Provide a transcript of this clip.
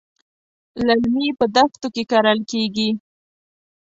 للمي په دښتو کې کرل کېږي.